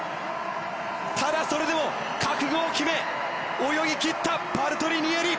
ただ、それでも覚悟を決め泳ぎ切ったパルトリニエリ。